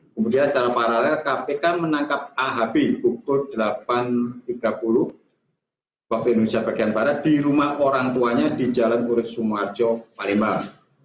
kemudian secara paralel kpk menangkap ahb pukul delapan tiga puluh wib di rumah orang tuanya di jalan purit sumarjo palembang